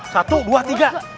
satu dua tiga